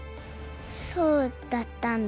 そうだったんだ。